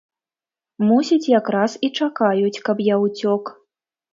Мусіць, якраз і чакаюць, каб я ўцёк.